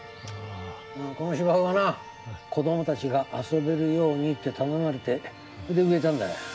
この芝生はな子どもたちが遊べるようにって頼まれてそれで植えたんだよ。